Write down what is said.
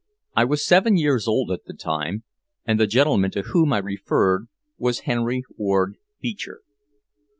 I was seven years old at the time, and the gentleman to whom I referred was Henry Ward Beecher.